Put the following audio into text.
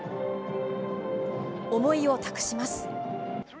思いを託します。